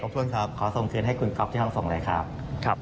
ใช่ครับ